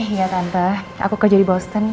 iya tante aku kerja di boston